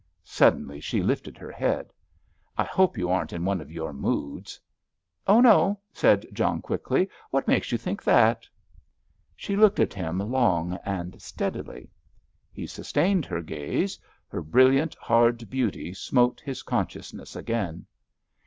Suddenly she lifted her head. "I hope you aren't in one of your moods?" "Oh, no," said John, quickly. "What makes you think that?" She looked at him long and steadily. He sustained her gaze; her brilliant, hard beauty smote his consciousness again.